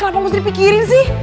kenapa harus dipikirin sih